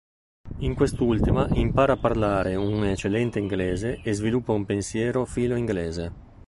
In quest'ultima impara a parlare un eccellente inglese e sviluppa un pensiero filo-inglese.